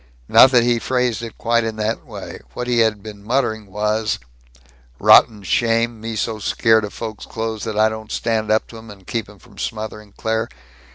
Not that he phrased it quite in this way. What he had been muttering was: "Rotten shame me so scared of folks' clothes that I don't stand up to 'em and keep 'em from smothering Claire.